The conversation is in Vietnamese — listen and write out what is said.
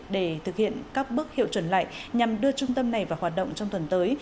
để thực hiện các bước hiệu chuẩn lại nhằm đưa trung tâm này vào hoạt động trong tuần tới